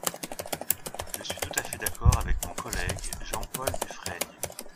Je suis tout à fait d’accord avec mon collègue Jean-Paul Dufrègne.